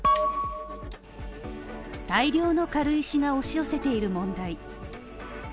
大量の軽石が押し寄せている問題。